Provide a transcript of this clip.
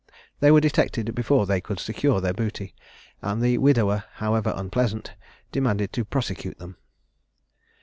They were detected before they could secure their booty; and the widower, however unpleasant, determined to prosecute them.